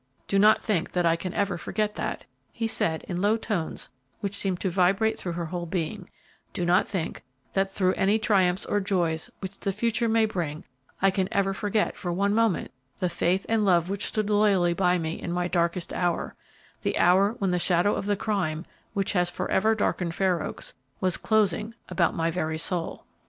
"Do not think that I can ever forget that," he said in low tones which seemed to vibrate through her whole being; "do not think that through any triumphs or joys which the future may bring, I can ever forget, for one moment, the faith and love which stood loyally by me in my darkest hour, the hour when the shadow of the crime, which has forever darkened Fair Oaks, was closing about my very soul!"